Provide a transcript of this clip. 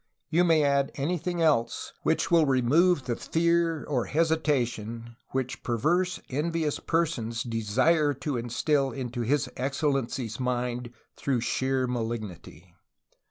You may add anything else which will remove the fear or hesitation which perverse envious persons desire to instil into His Excellency's mind through sheer malignity